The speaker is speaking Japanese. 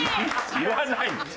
言わないよ。